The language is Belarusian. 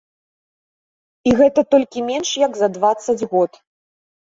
І гэта толькі менш як за дваццаць год!